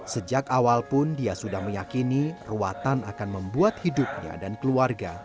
sejak awal pun dia sudah meyakini ruatan akan membuat hidupnya dan keluarga